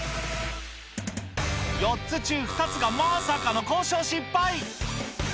４つ中２つがまさかの交渉失敗。